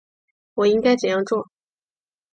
我应该怎样做？